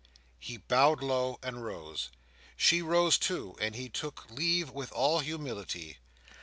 He bowed low, and rose. She rose too, and he took leave with all humility.